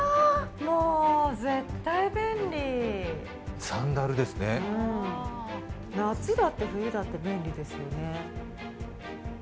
もう絶対フェンディサンダルですねうん夏だって冬だって便利ですよね